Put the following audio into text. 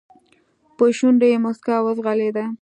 په شونډو يې موسکا وځغلېده.